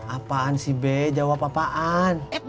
apaan si b jawab apa apaan